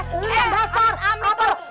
lu yang dasar